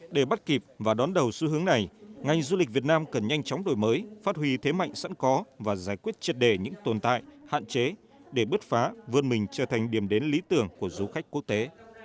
để bắt kịp và đón đầu xu hướng này ngành du lịch việt nam cần nhanh chóng đổi mới phát huy thế mạnh sẵn có và giải quyết triệt đề những tồn tại hạn chế để bứt phá vươn mình trở thành điểm đến lý tưởng của du khách quốc tế